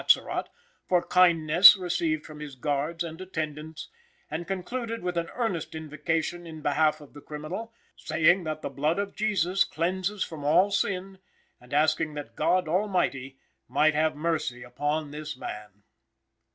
Atzerott for kindness received from his guards and attendants, and concluded with an earnest invocation in behalf of the criminal, saying that the blood of Jesus cleanses from all sin, and asking that God Almighty might have mercy upon this man.